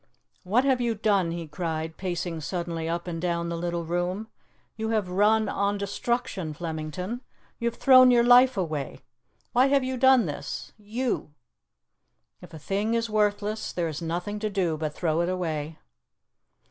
"What have you done?" he cried, pacing suddenly up and down the little room. "You have run on destruction, Flemington; you have thrown your life away. Why have you done this you?" "If a thing is worthless, there is nothing to do but throw it away."